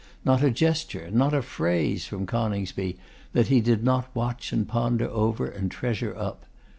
Not a gesture, not a phrase from Coningsby, that he did not watch and ponder over and treasure up.